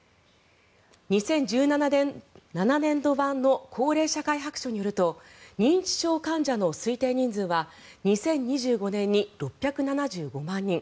２０１７年度版の高齢社会白書によると認知症患者の推定人数は２０２５年に６７５万人